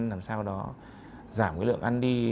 làm sao đó giảm cái lượng ăn đi